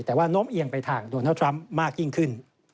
แต่ว่าโน้มเอียงไปทางโดนัลดทรัมป์มากยิ่งขึ้น